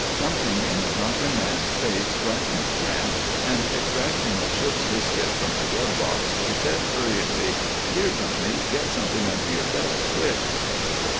Something in the drunken man's face frightened Grant and, extracting a ship's biscuit from the grub box, he said, hurriedly: "Here, Johnny. Get something under your belt, quick."